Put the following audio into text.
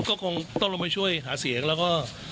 ก็คงต้องลงไปช่วยหาเสียงแล้วก็